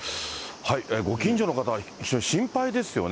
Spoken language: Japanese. ご近所の方は非常に心配ですよね。